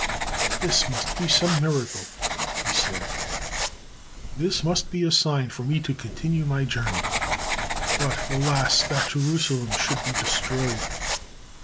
"This must be some miracle," he said. "This must be a sign for me to continue my journey. But, alas, that Jerusalem should be destroyed!"